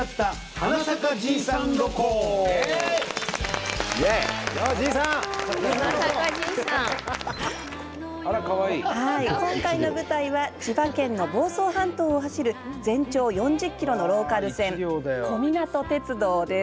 はい今回の舞台は千葉県の房総半島を走る全長４０ｋｍのローカル線小湊鉄道です。